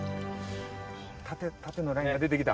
縦のラインが出てきた。